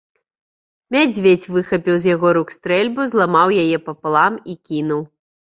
Мядзведзь выхапіў з яго рук стрэльбу, зламаў яе папалам і кінуў.